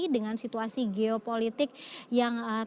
dengan situasi geopolitik yang terlalu berpengaruh